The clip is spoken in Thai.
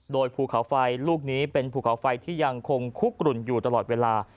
โดยภูเขาไฟลูกนี้เป็นภูเขาไฟที่ยังคงคุกกลุ่นอยู่ตลอดเวลา